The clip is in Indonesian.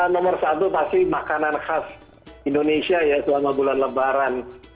nomor satu pasti makanan khas indonesia ya selama bulan lebaran